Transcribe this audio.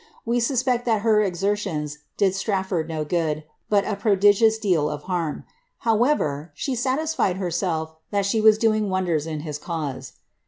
We suspect that her exertions did Straflbrd no good, bat a prodigious deal of harm ; however, she satisfied herself that she was doing wonders in his cause.